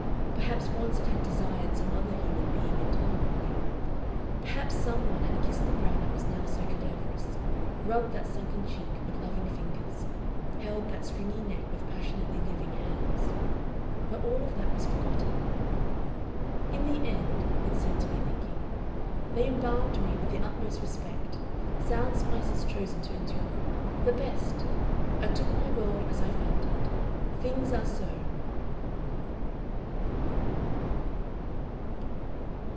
Perhaps once it had desired some other human being intolerably. Perhaps some one had kissed the brow that was now so cadaverous, rubbed that sunken cheek with loving fingers, held that stringy neck with passionately living hands. But all of that was forgotten. "In the end," it seemed to be thinking, "they embalmed me with the utmost respect sound spices chosen to endure the best! I took my world as I found it. THINGS ARE SO!"